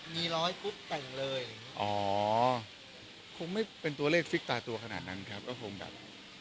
มีร้อยปุ๊บแต่งเลยอ๋อคงไม่เป็นตัวเลขฟิกตาตัวขนาดนั้นครับก็คงแบบ